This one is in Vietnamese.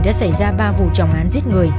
đã xảy ra ba vụ trọng án giết người